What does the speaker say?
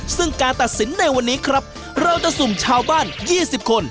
ซึ่งการตัดสินในวันนี้ครับเราจะสุ่มชาวบ้าน๒๐คน